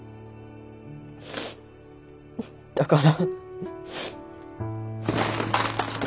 だから。